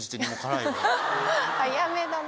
早めだな。